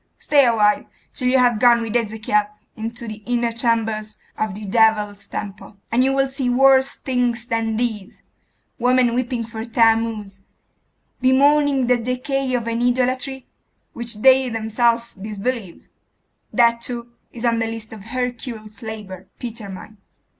Stay awhile, till you have gone with Ezekiel into the inner chambers of the devil's temple, and you will see worse things than these women weeping for Thammuz; bemoaning the decay of an idolatry which they themselves disbelieve That, too, is on the list of Hercules' labour, Peter mine.